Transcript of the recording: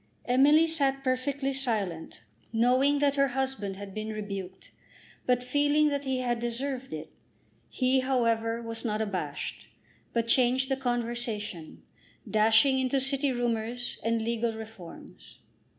Emily sat perfectly silent, knowing that her husband had been rebuked, but feeling that he had deserved it. He, however, was not abashed; but changed the conversation, dashing into city rumours, and legal reforms.